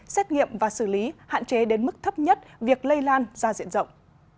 xét nghiệm và xử lý hạn chế đến mức thấp nhất việc lây lan ra diện rộng